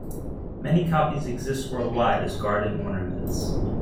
Many copies exist worldwide as garden ornaments.